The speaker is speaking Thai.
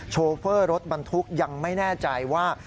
โชเฟอร์รถบรรทุกยังไม่แน่ใจว่า